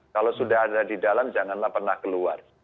kalau sudah ada di dalam janganlah pernah keluar